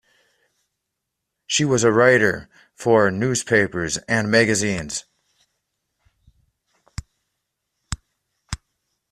She was a writer for newspapers and magazines.